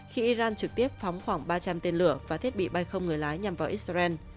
khi iran trực tiếp phóng khoảng ba trăm linh tên lửa và thiết bị bay không người lái nhằm vào israel